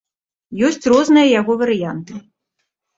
Ёсць розныя яго варыянты.